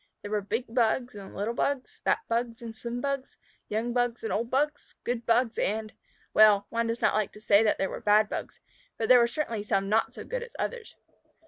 There were big Bugs and little Bugs, fat Bugs and slim Bugs, young Bugs and old Bugs, good Bugs and well, one does not like to say that there were bad Bugs, but there were certainly some not so good as others.